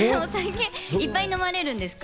いっぱい飲まれるんですか？